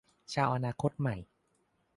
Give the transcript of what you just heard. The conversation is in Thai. ชาวอนาคตใหม่